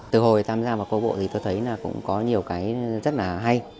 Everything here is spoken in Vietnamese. từ hồi tham gia vào công bộ thì tôi thấy có nhiều cái rất là hay